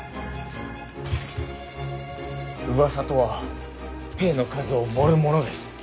うわさとは兵の数を盛るものです。